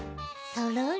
そろり。